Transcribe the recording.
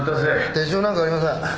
手帳なんかありません。